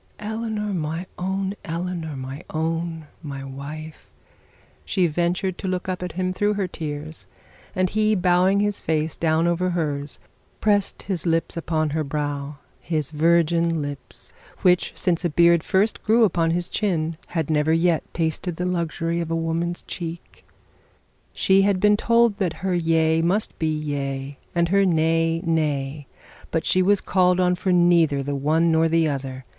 'Eleanor, my own Eleanor, my own, my wife!' She ventured to look at him through her tears, and he, bowing his face down over hers, pressed his lips upon her brow; his virgin lips, which since a beard first grew upon his chin, had never yet tasted the luxury of a woman's cheek. She had been told that her yea must be yea, or her nay, nay; but she was called on for neither the one nor the other.